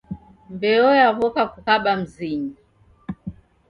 Mbeo yaw'oka kukaba mzinyi